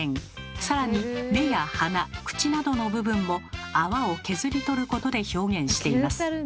更に目や鼻口などの部分も泡を削り取ることで表現しています。